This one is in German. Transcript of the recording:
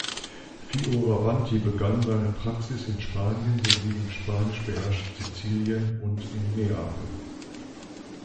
Fioravanti begann seine Praxis in Spanien sowie im spanisch beherrschten Sizilien und in Neapel.